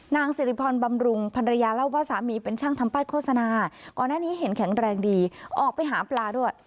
นางสิริพรบำรุงภรรยาเล่าว่าสามีเป็นช่างทำป้ายโฆษณาก่อนหน้านี้เห็นแข็งแรงดีออกไปหาปลาด้วย